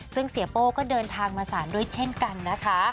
ซึ่งเสียโป้ก็เดินทางมาสารด้วยเช่นกันนะคะ